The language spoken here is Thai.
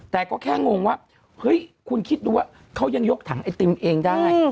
แต่ก็แค่งงว่าเฮ้ยคุณคิดดูว่าเขายังยกถังไอติมเองได้